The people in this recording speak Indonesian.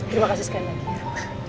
terima kasih sekali lagi